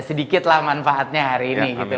sedikitlah manfaatnya hari ini gitu